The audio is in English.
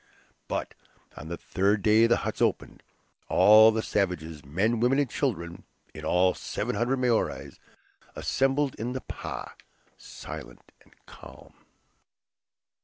But on the third day the huts opened; all the savages, men, women, and children, in all several hundred Maories, assembled in the "pah," silent and calm.